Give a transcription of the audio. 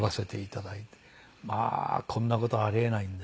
まあこんな事はあり得ないんで。